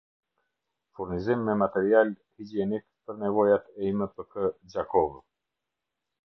Furnizim me matrerijal hixhienik per nevojat e impk-gjakovë